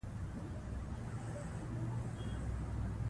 جانان چې نوي ژوند مي ټوله په خفګان دی